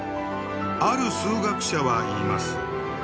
ある数学者は言います。